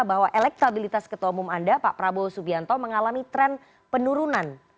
bahwa elektabilitas ketua umum anda pak prabowo subianto mengalami tren penurunan